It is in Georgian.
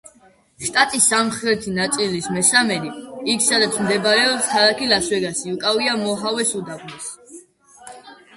შტატის სამხრეთი ნაწილის მესამედი, იქ სადაც მდებარეობს ქალაქი ლას-ვეგასი უკავია მოჰავეს უდაბნოს.